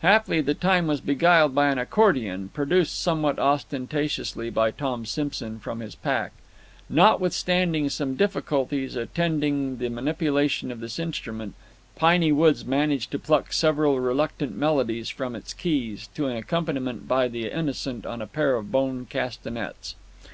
Haply the time was beguiled by an accordion, produced somewhat ostentatiously by Tom Simson from his pack. Notwithstanding some difficulties attending the manipulation of this instrument, Piney Woods managed to pluck several reluctant melodies from its keys, to an accompaniment by the Innocent on a pair of bone castanets.